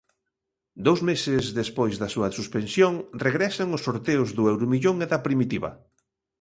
Dous meses despois da súa suspensión, regresan os sorteos do Euromillón e da Primitiva.